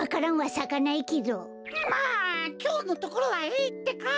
まあきょうのところはいいってか！